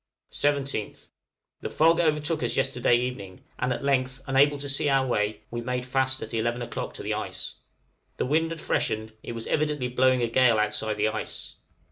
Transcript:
17th. The fog overtook us yesterday evening, and at length, unable to see our way, we made fast at eleven o'clock to the ice. The wind had freshened, it was evidently blowing a gale outside the ice.